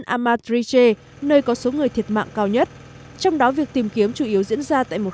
amatriche nơi có số người thiệt mạng cao nhất trong đó việc tìm kiếm chủ yếu diễn ra tại một